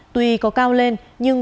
tuy có cao lên nhưng